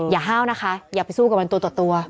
อย่าฮาวนะคะอย่าไปสู้กับบรรตัวตัว